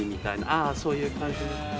ああそういう感じの。